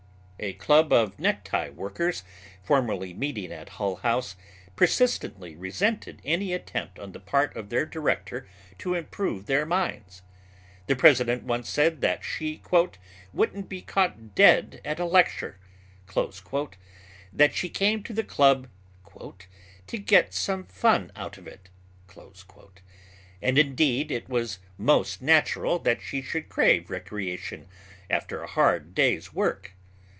A club of necktie workers formerly meeting at Hull House persistently resented any attempt on the part of their director to improve their minds. The president once said that she "wouldn't be caught dead at a lecture," that she came to the club "to get some fun out of it," and indeed it was most natural that she should crave recreation after a hard day's work.